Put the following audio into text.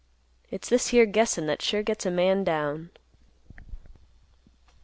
It's this here guessin' that sure gets a man down."